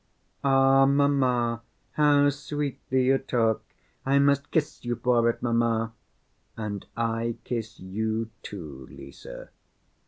"Ah, mamma, how sweetly you talk! I must kiss you for it, mamma." "And I kiss you too, Lise.